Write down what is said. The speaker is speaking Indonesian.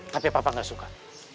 tapi papa gak suka